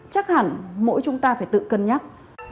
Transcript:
chắc hẳn mỗi chúng ta phải tự cân nhắc